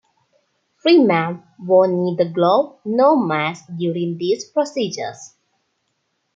Freeman wore neither glove nor mask during these procedures.